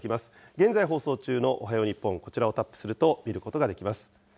現在放送中のおはよう日本、こちらをタップすると見ることができます。